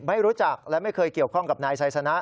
ไม่รู้จักและไม่เคยเกี่ยวข้องกับนายไซสนะ